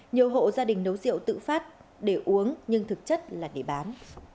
nhiều hộ gia đình nấu rượu tự phát để uống nhưng thực chất là để bán